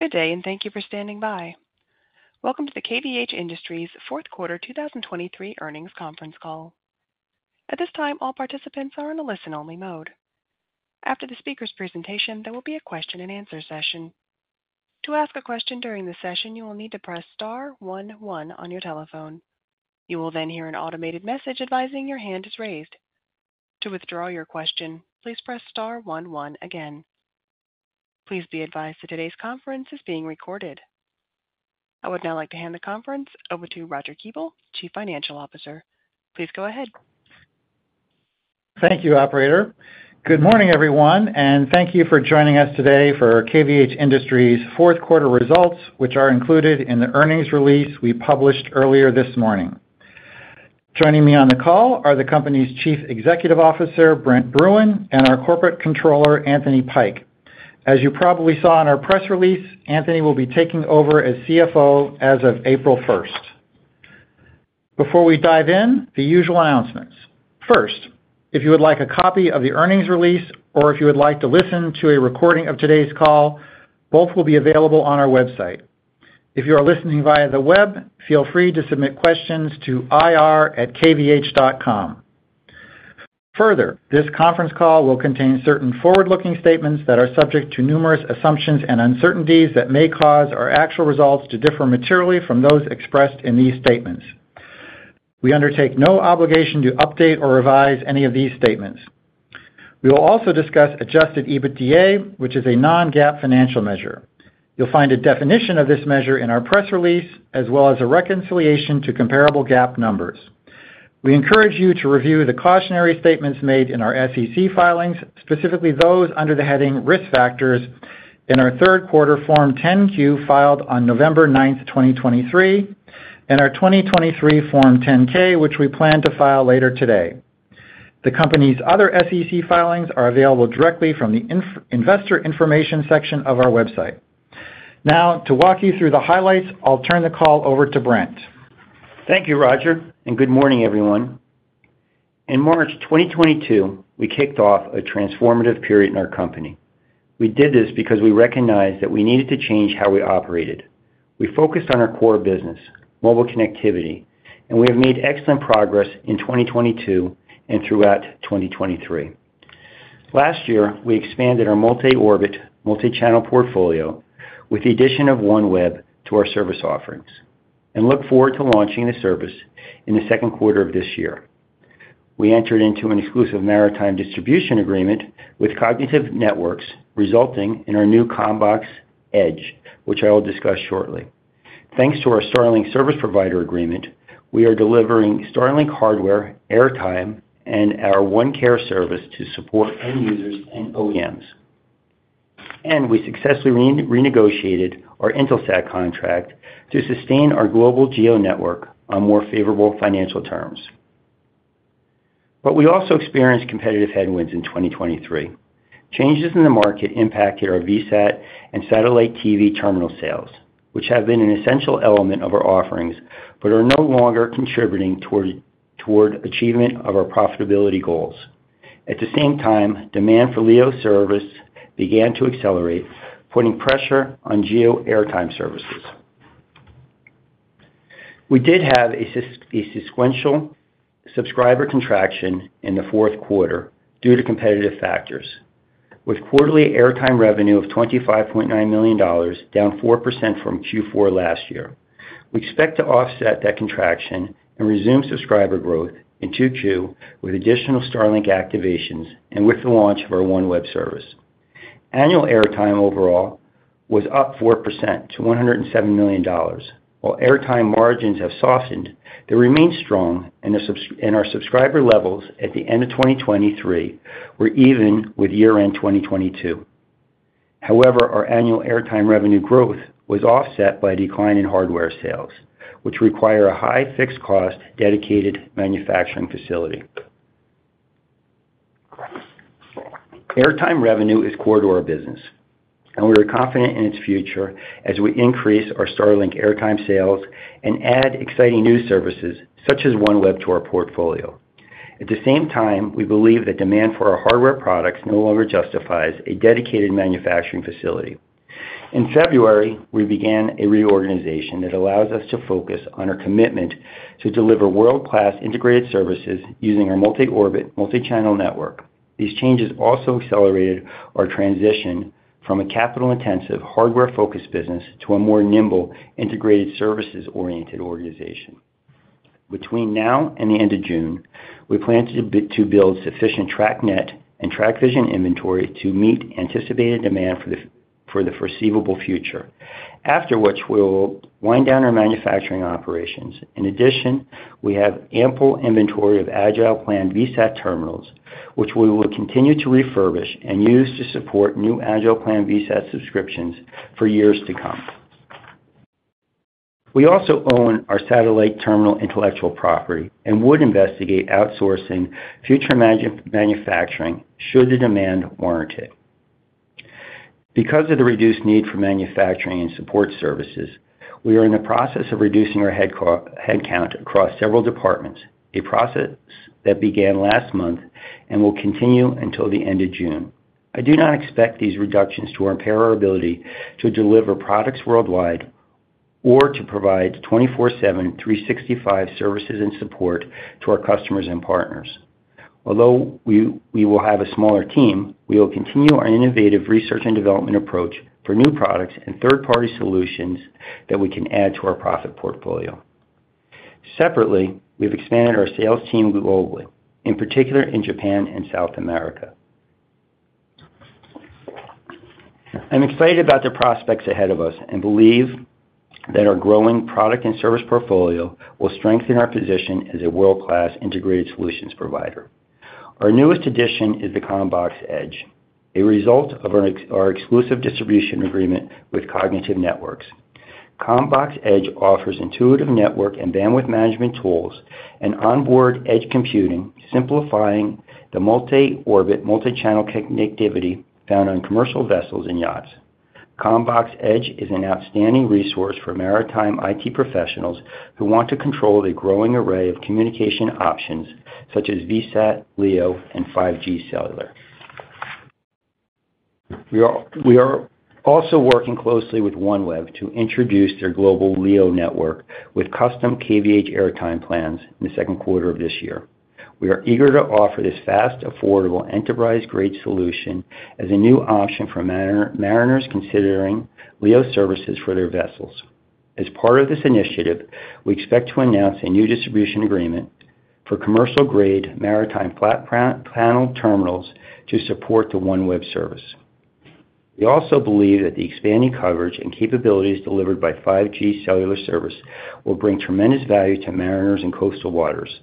Good day, and thank you for standing by. Welcome to the KVH Industries Fourth Quarter 2023 Earnings Conference Call. At this time, all participants are in a listen-only mode. After the speaker's presentation, there will be a question-and-answer session. To ask a question during the session, you will need to press star one one on your telephone. You will then hear an automated message advising your hand is raised. To withdraw your question, please press star one one again. Please be advised that today's conference is being recorded. I would now like to hand the conference over to Roger Kuebel, Chief Financial Officer. Please go ahead. Thank you, operator. Good morning, everyone, and thank you for joining us today for KVH Industries' fourth quarter results, which are included in the earnings release we published earlier this morning. Joining me on the call are the company's Chief Executive Officer, Brent Bruun, and our Corporate Controller, Anthony Pike. As you probably saw in our press release, Anthony will be taking over as CFO as of April first. Before we dive in, the usual announcements. First, if you would like a copy of the earnings release or if you would like to listen to a recording of today's call, both will be available on our website. If you are listening via the web, feel free to submit questions to ir@kvh.com. Further, this conference call will contain certain forward-looking statements that are subject to numerous assumptions and uncertainties that may cause our actual results to differ materially from those expressed in these statements. We undertake no obligation to update or revise any of these statements. We will also discuss Adjusted EBITDA, which is a non-GAAP financial measure. You'll find a definition of this measure in our press release, as well as a reconciliation to comparable GAAP numbers. We encourage you to review the cautionary statements made in our SEC filings, specifically those under the heading Risk Factors in our third quarter Form 10-Q, filed on November 9, 2023, and our 2023 Form 10-K, which we plan to file later today. The company's other SEC filings are available directly from the investor information section of our website. Now, to walk you through the highlights, I'll turn the call over to Brent. Thank you, Roger, and good morning, everyone. In March 2022, we kicked off a transformative period in our company. We did this because we recognized that we needed to change how we operated. We focused on our core business, mobile connectivity, and we have made excellent progress in 2022 and throughout 2023. Last year, we expanded our multi-orbit, multi-channel portfolio with the addition of OneWeb to our service offerings and look forward to launching the service in the second quarter of this year. We entered into an exclusive maritime distribution agreement with Kognitive Networks, resulting in our new CommBox Edge, which I will discuss shortly. Thanks to our Starlink service provider agreement, we are delivering Starlink hardware, airtime, and our OneCare service to support end users and OEMs. We successfully renegotiated our Intelsat contract to sustain our global GEO network on more favorable financial terms. But we also experienced competitive headwinds in 2023. Changes in the market impacted our VSAT and satellite TV terminal sales, which have been an essential element of our offerings, but are no longer contributing toward achievement of our profitability goals. At the same time, demand for LEO service began to accelerate, putting pressure on GEO airtime services. We did have a sequential subscriber contraction in the fourth quarter due to competitive factors, with quarterly airtime revenue of $25.9 million, down 4% from Q4 last year. We expect to offset that contraction and resume subscriber growth in Q2 with additional Starlink activations and with the launch of our OneWeb service. Annual airtime overall was up 4% to $107 million. While airtime margins have softened, they remain strong, and our subscriber levels at the end of 2023 were even with year-end 2022. However, our annual airtime revenue growth was offset by a decline in hardware sales, which require a high fixed cost, dedicated manufacturing facility. Airtime revenue is core to our business, and we are confident in its future as we increase our Starlink airtime sales and add exciting new services, such as OneWeb, to our portfolio. At the same time, we believe that demand for our hardware products no longer justifies a dedicated manufacturing facility. In February, we began a reorganization that allows us to focus on our commitment to deliver world-class integrated services using our multi-orbit, multi-channel network. These changes also accelerated our transition from a capital-intensive, hardware-focused business to a more nimble, integrated, services-oriented organization. Between now and the end of June, we plan to build sufficient TracNet and TracVision inventory to meet anticipated demand for the foreseeable future, after which we will wind down our manufacturing operations. In addition, we have ample inventory of AgilePlans VSAT terminals, which we will continue to refurbish and use to support new AgilePlans VSAT subscriptions for years to come. We also own our satellite terminal intellectual property and would investigate outsourcing future manufacturing should the demand warrant it. Because of the reduced need for manufacturing and support services, we are in the process of reducing our headcount across several departments, a process that began last month and will continue until the end of June. I do not expect these reductions to impair our ability to deliver products worldwide or to provide 24/7, 365 services and support to our customers and partners. Although we will have a smaller team, we will continue our innovative research and development approach for new products and third-party solutions that we can add to our profit portfolio. Separately, we've expanded our sales team globally, in particular in Japan and South America. I'm excited about the prospects ahead of us, and believe that our growing product and service portfolio will strengthen our position as a world-class integrated solutions provider. Our newest addition is the CommBox Edge, a result of our exclusive distribution agreement with Kognitive Networks. CommBox Edge offers intuitive network and bandwidth management tools and onboard edge computing, simplifying the multi-orbit, multi-channel connectivity found on commercial vessels and yachts. CommBox Edge is an outstanding resource for maritime IT professionals who want to control the growing array of communication options, such as VSAT, LEO, and 5G cellular. We are also working closely with OneWeb to introduce their global LEO network with custom KVH airtime plans in the second quarter of this year. We are eager to offer this fast, affordable, enterprise-grade solution as a new option for mariners considering LEO services for their vessels. As part of this initiative, we expect to announce a new distribution agreement for commercial-grade maritime panel terminals to support the OneWeb service. We also believe that the expanding coverage and capabilities delivered by 5G cellular service will bring tremendous value to mariners in coastal waters.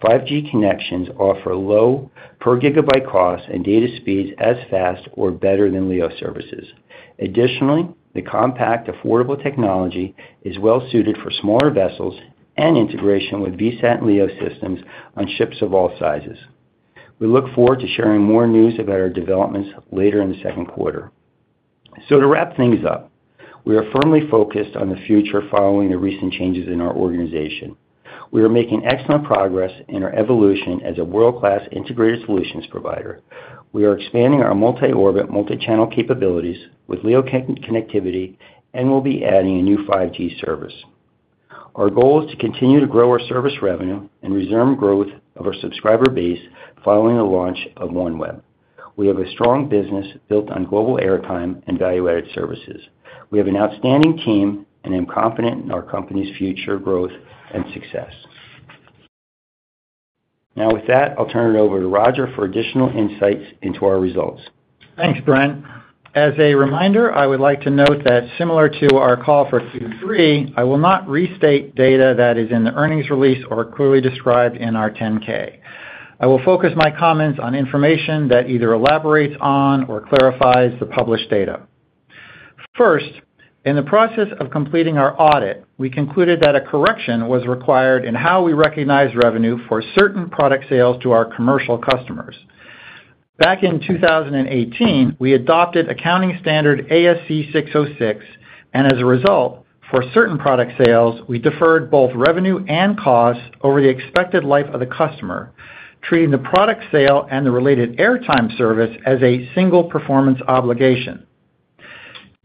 5G connections offer low per gigabyte costs and data speeds as fast or better than LEO services. Additionally, the compact, affordable technology is well suited for smaller vessels and integration with VSAT LEO systems on ships of all sizes. We look forward to sharing more news about our developments later in the second quarter. So to wrap things up, we are firmly focused on the future following the recent changes in our organization. We are making excellent progress in our evolution as a world-class integrated solutions provider. We are expanding our multi-orbit, multi-channel capabilities with LEO connectivity, and we'll be adding a new 5G service. Our goal is to continue to grow our service revenue and resume growth of our subscriber base following the launch of OneWeb. We have a strong business built on global airtime and value-added services. We have an outstanding team, and I'm confident in our company's future growth and success. Now, with that, I'll turn it over to Roger for additional insights into our results. Thanks, Brent. As a reminder, I would like to note that similar to our call for Q3, I will not restate data that is in the earnings release or clearly described in our 10-K. I will focus my comments on information that either elaborates on or clarifies the published data. First, in the process of completing our audit, we concluded that a correction was required in how we recognize revenue for certain product sales to our commercial customers. Back in 2018, we adopted accounting standard ASC 606, and as a result, for certain product sales, we deferred both revenue and costs over the expected life of the customer, treating the product sale and the related airtime service as a single performance obligation.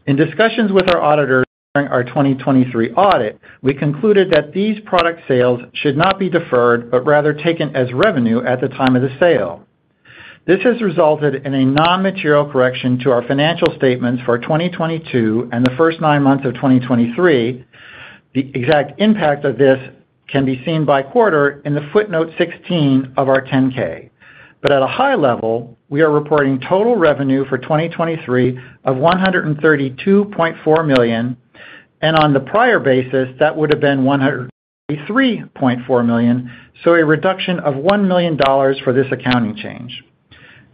In discussions with our auditors during our 2023 audit, we concluded that these product sales should not be deferred, but rather taken as revenue at the time of the sale. This has resulted in a non-material correction to our financial statements for 2022 and the first nine months of 2023. The exact impact of this can be seen by quarter in footnote 16 of our 10-K. But at a high level, we are reporting total revenue for 2023 of $132.4 million, and on the prior basis, that would have been $133.4 million, so a reduction of $1 million for this accounting change.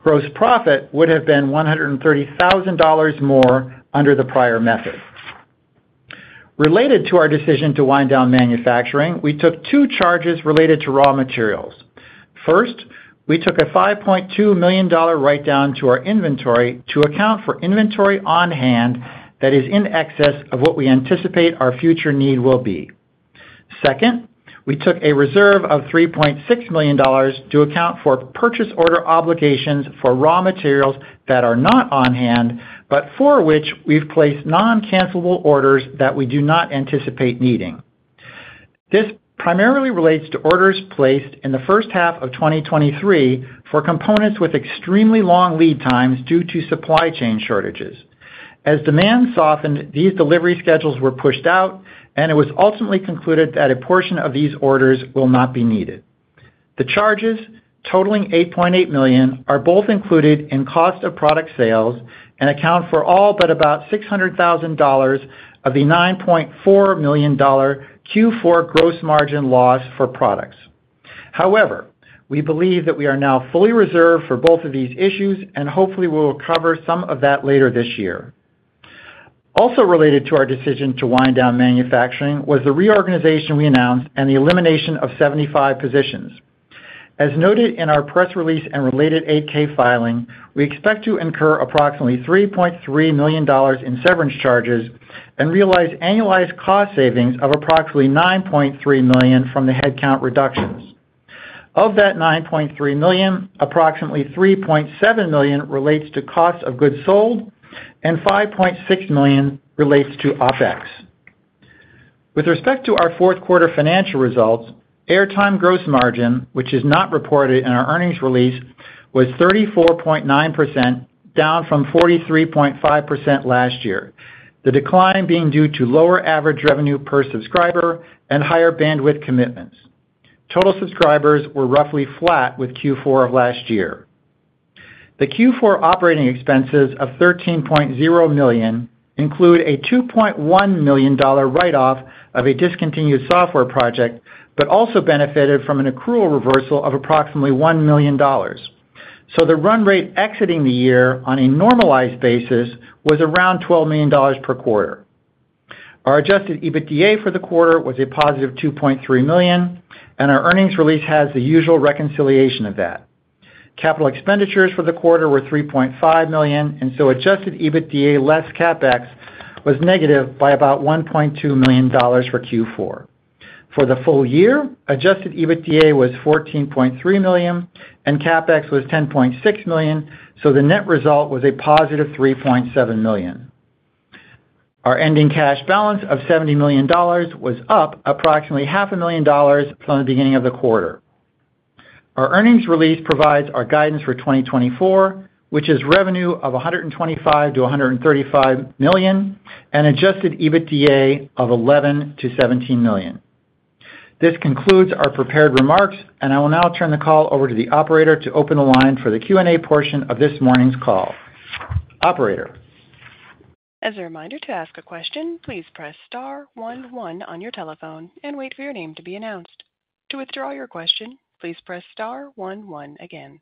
Gross profit would have been $130,000 more under the prior method. Related to our decision to wind down manufacturing, we took two charges related to raw materials. First, we took a $5.2 million write-down to our inventory to account for inventory on hand that is in excess of what we anticipate our future need will be. Second, we took a reserve of $3.6 million to account for purchase order obligations for raw materials that are not on hand, but for which we've placed non-cancelable orders that we do not anticipate needing. This primarily relates to orders placed in the first half of 2023 for components with extremely long lead times due to supply chain shortages. As demand softened, these delivery schedules were pushed out, and it was ultimately concluded that a portion of these orders will not be needed. The charges, totaling $8.8 million, are both included in cost of product sales and account for all but about $600,000 of the $9.4 million Q4 gross margin loss for products. However, we believe that we are now fully reserved for both of these issues, and hopefully, we will recover some of that later this year. Also related to our decision to wind down manufacturing was the reorganization we announced and the elimination of 75 positions. As noted in our press release and related 8-K filing, we expect to incur approximately $3.3 million in severance charges and realize annualized cost savings of approximately $9.3 million from the headcount reductions. Of that $9.3 million, approximately $3.7 million relates to cost of goods sold and $5.6 million relates to OpEx. With respect to our fourth quarter financial results, airtime gross margin, which is not reported in our earnings release, was 34.9%, down from 43.5% last year. The decline being due to lower average revenue per subscriber and higher bandwidth commitments. Total subscribers were roughly flat with Q4 of last year. The Q4 operating expenses of $13.0 million include a $2.1 million write-off of a discontinued software project, but also benefited from an accrual reversal of approximately $1 million. So the run rate exiting the year on a normalized basis was around $12 million per quarter. Our Adjusted EBITDA for the quarter was a positive $2.3 million, and our earnings release has the usual reconciliation of that. Capital expenditures for the quarter were $3.5 million, and so adjusted EBITDA, less CapEx, was negative by about $1.2 million for Q4. For the full year, adjusted EBITDA was $14.3 million, and CapEx was $10.6 million, so the net result was a positive $3.7 million. Our ending cash balance of $70 million was up approximately $0.5 million from the beginning of the quarter. Our earnings release provides our guidance for 2024, which is revenue of $125-$135 million and adjusted EBITDA of $11-$17 million. This concludes our prepared remarks, and I will now turn the call over to the operator to open the line for the Q&A portion of this morning's call. Operator? As a reminder, to ask a question, please press star one one on your telephone and wait for your name to be announced. To withdraw your question, please press star one one again.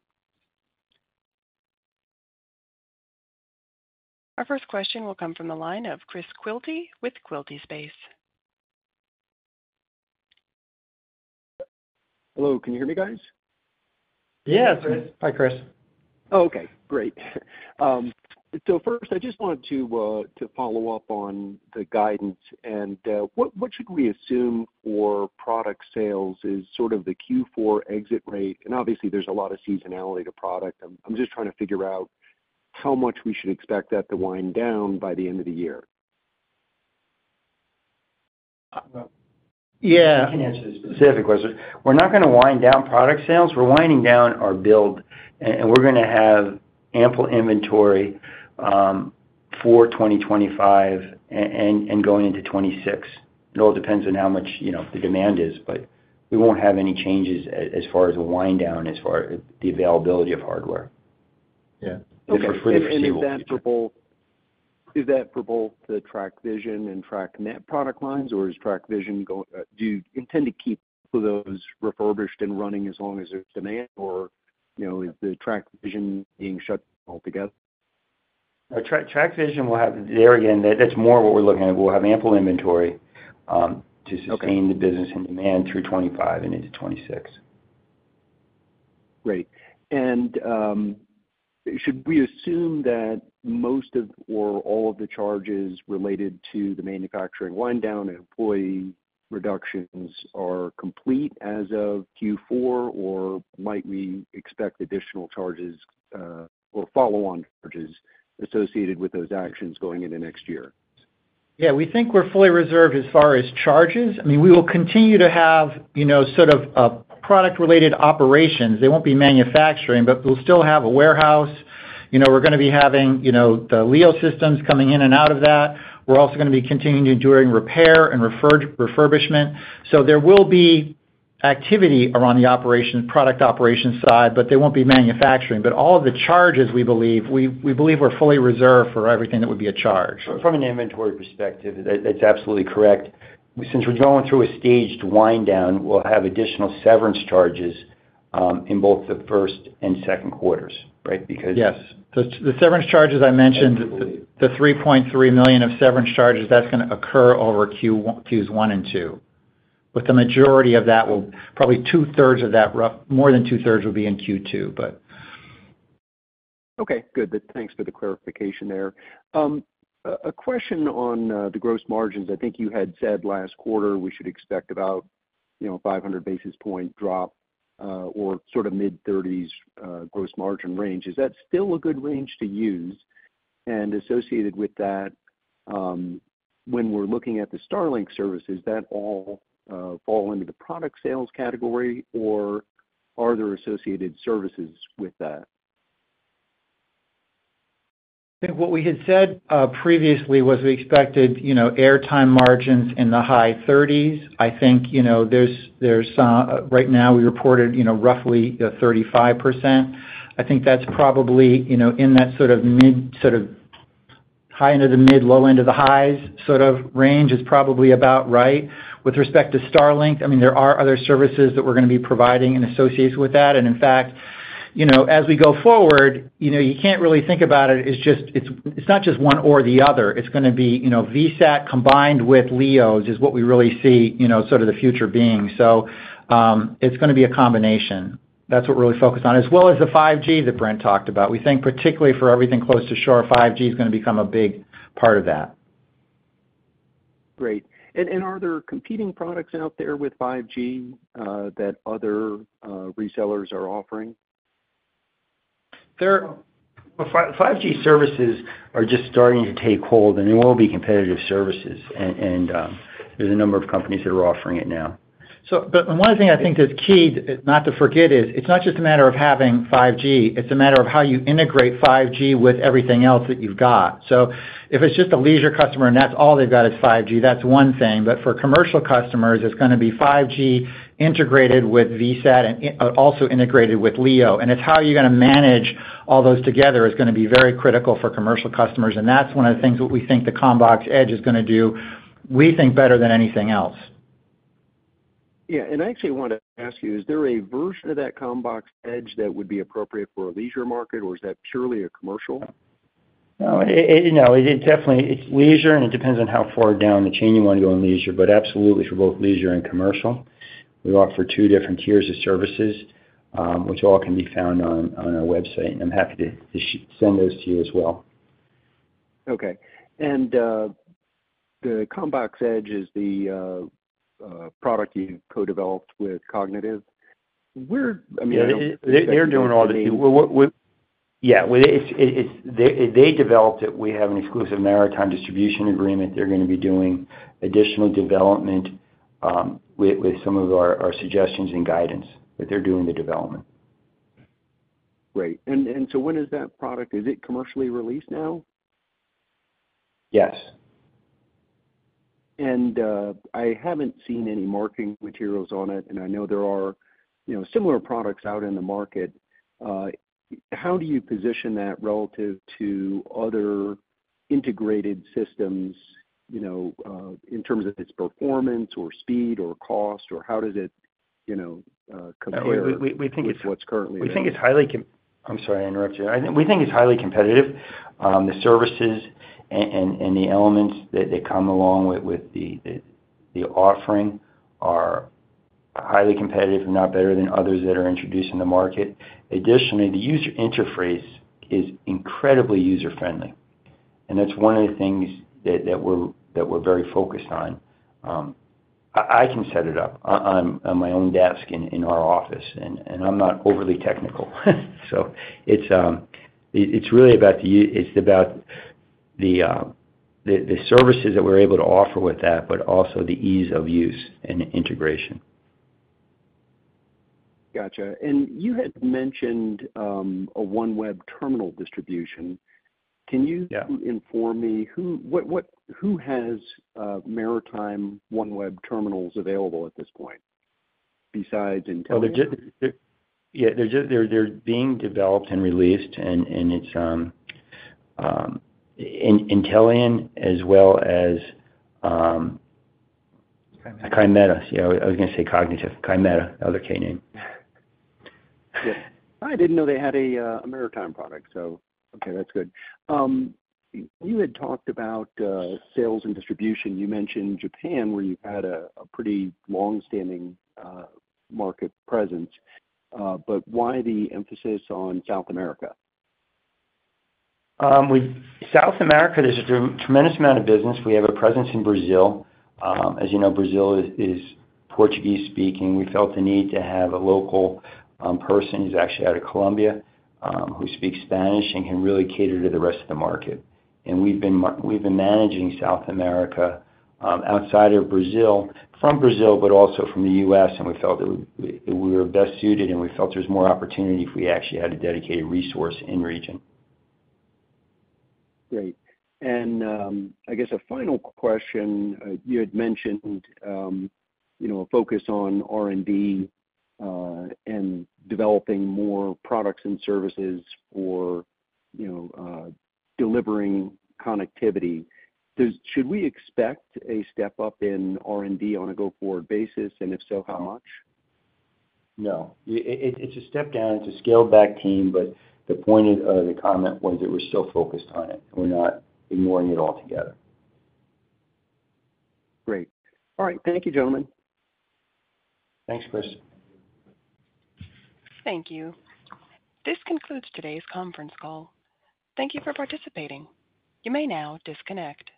Our first question will come from the line of Chris Quilty with Quilty Space. Hello, can you hear me, guys? Yes. Hi, Chris. Oh, okay, great. So first, I just wanted to follow up on the guidance and what should we assume for product sales is sort of the Q4 exit rate? Obviously, there's a lot of seasonality to product. I'm just trying to figure out how much we should expect that to wind down by the end of the year. Uh, yeah. I can answer this specific question. We're not gonna wind down product sales. We're winding down our build, and we're gonna have ample inventory for 2025 and going into 2026. It all depends on how much, you know, the demand is, but we won't have any changes as far as a wind down, as far as the availability of hardware. Yeah. Okay. We're free to see what the future- Is that for both, is that for both the TracVision and TracNet product lines, or is TracVision? Do you intend to keep those refurbished and running as long as there's demand? Or, you know, is the TracVision being shut down altogether? TracVision will have... There, again, that's more what we're looking at. We'll have ample inventory. Okay... to sustain the business and demand through 2025 and into 2026. Great. And should we assume that most of or all of the charges related to the manufacturing wind down and employee reductions are complete as of Q4, or might we expect additional charges, or follow-on charges associated with those actions going into next year? Yeah, we think we're fully reserved as far as charges. I mean, we will continue to have, you know, sort of, product-related operations. They won't be manufacturing, but we'll still have a warehouse. You know, we're gonna be having, you know, the LEO systems coming in and out of that. We're also gonna be continuing doing repair and refurbishment. So there will be activity around the operation, product operation side, but they won't be manufacturing. But all of the charges, we believe, we believe were fully reserved for everything that would be a charge. From an inventory perspective, that's absolutely correct. Since we're going through a staged wind down, we'll have additional severance charges, in both the first and second quarters, right? Because- Yes. The severance charges I mentioned- Absolutely... the $3.3 million of severance charges, that's gonna occur over Qs 1 and 2, but the majority of that will probably two-thirds of that, more than two-thirds will be in Q2, but. Okay, good. Thanks for the clarification there. A question on the gross margins. I think you had said last quarter we should expect about, you know, 500 basis point drop, or sort of mid-thirties gross margin range. Is that still a good range to use? And associated with that, when we're looking at the Starlink services, does that all fall into the product sales category, or are there associated services with that? I think what we had said previously was we expected, you know, airtime margins in the high 30s. I think, you know, there's right now, we reported, you know, roughly 35%. I think that's probably, you know, in that sort of mid, sort of high end of the mid, low end of the highs, sort of range is probably about right. With respect to Starlink, I mean, there are other services that we're gonna be providing and associated with that. And in fact,... you know, as we go forward, you know, you can't really think about it as just—it's, it's not just one or the other. It's gonna be, you know, VSAT combined with LEOs is what we really see, you know, sort of the future being. So, it's gonna be a combination. That's what we're really focused on, as well as the 5G that Brent talked about. We think, particularly for everything close to shore, 5G is gonna become a big part of that. Great. And are there competing products out there with 5G that other resellers are offering? Well, 5G services are just starting to take hold, and there will be competitive services, and there's a number of companies that are offering it now. One thing I think that's key, not to forget is, it's not just a matter of having 5G, it's a matter of how you integrate 5G with everything else that you've got. So if it's just a leisure customer, and that's all they've got is 5G, that's one thing. But for commercial customers, it's gonna be 5G integrated with VSAT and also integrated with LEO. And it's how you're gonna manage all those together is gonna be very critical for commercial customers, and that's one of the things that we think the CommBox Edge is gonna do, we think, better than anything else. Yeah, and I actually want to ask you, is there a version of that CommBox Edge that would be appropriate for a leisure market, or is that purely a commercial? No, it definitely, it's leisure, and it depends on how far down the chain you want to go on leisure, but absolutely for both leisure and commercial. We offer two different tiers of services, which all can be found on our website. I'm happy to send those to you as well. Okay. And, the CommBox Edge is the product you co-developed with Kognitive? I mean- They're doing all the... Well, yeah, well, it's they developed it. We have an exclusive maritime distribution agreement. They're gonna be doing additional development with some of our suggestions and guidance, but they're doing the development. Great. And so when is that product... Is it commercially released now? Yes. I haven't seen any marketing materials on it, and I know there are, you know, similar products out in the market. How do you position that relative to other integrated systems, you know, in terms of its performance or speed or cost, or how does it, you know, compare? We think it's- with what's currently there? We think it's highly—I'm sorry I interrupted you. We think it's highly competitive. The services and the elements that they come along with the offering are highly competitive, if not better than others that are introduced in the market. Additionally, the user interface is incredibly user-friendly, and that's one of the things that we're very focused on. I can set it up on my own desk in our office, and I'm not overly technical. So it's really about the services that we're able to offer with that, but also the ease of use and integration. Gotcha. And you had mentioned, a OneWeb terminal distribution. Yeah. Can you inform me who... Who has maritime OneWeb terminals available at this point, besides Intellian? Well, they're just. Yeah, they're just being developed and released, and it's Intellian as well as. Chimera. Kymeta. Yeah, I was gonna say Kognitive. Kymeta, another K name. Yeah. I didn't know they had a maritime product, so okay, that's good. You had talked about sales and distribution. You mentioned Japan, where you've had a pretty long-standing market presence, but why the emphasis on South America? South America, there's a tremendous amount of business. We have a presence in Brazil. As you know, Brazil is Portuguese speaking. We felt the need to have a local person, who's actually out of Colombia, who speaks Spanish and can really cater to the rest of the market. And we've been managing South America, outside of Brazil, from Brazil, but also from the U.S., and we felt that we were best suited, and we felt there's more opportunity if we actually had a dedicated resource in region. Great. And, I guess a final question, you had mentioned, you know, a focus on R&D, and developing more products and services for, you know, delivering connectivity. Should we expect a step-up in R&D on a go-forward basis, and if so, how much? No. It's a step down. It's a scaled-back team, but the point of the comment was that we're still focused on it. We're not ignoring it altogether. Great. All right. Thank you, gentlemen. Thanks, Chris. Thank you. This concludes today's conference call. Thank you for participating. You may now disconnect.